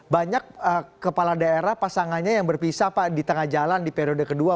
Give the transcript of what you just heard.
banyak kepala daerah pasangannya yang berpisah pak di tengah jalan di periode kedua